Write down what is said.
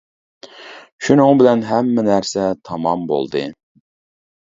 شۇنىڭ بىلەن ھەممە نەرسە تامام بولدى.